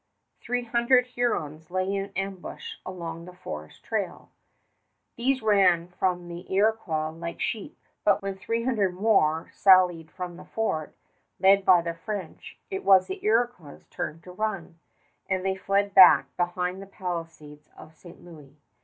Three hundred Hurons lay in ambush along the forest trail. These ran from the Iroquois like sheep; but when three hundred more sallied from the fort, led by the French, it was the Iroquois' turn to run, and they fled back behind the palisades of St. Louis.